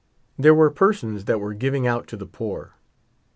There were per sons that were giving out to the poor.